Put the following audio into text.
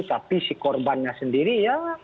tapi si korbannya sendiri ya